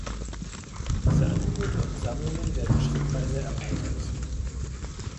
Diese Angebote und Sammlungen werden schrittweise erweitert.